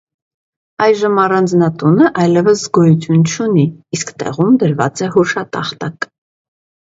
Այժմ առանձնատունը այլևս գոյություն չունի, իսկ տեղում դրված է հուշատախտակ։